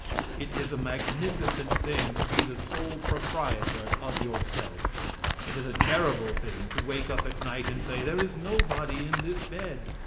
It is a magnificent thing to be the sole proprietor of yourself. It is a terrible thing to wake up at night and say: "There is nobody in this bed!"